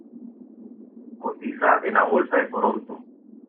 Cotiza en la Bolsa de Toronto.